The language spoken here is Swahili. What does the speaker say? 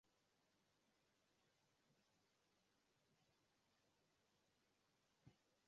Kazi zifuate mila na maadili ya kitanzania pamoja na kusimamia sheria zinazoongoza Mashirika hayo